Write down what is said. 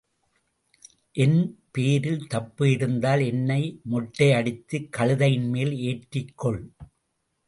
என் பேரில் தப்பு இருந்தால் என்னை மொட்டை அடித்துக் கழுதையின்மேல் ஏற்றிக் கொள்.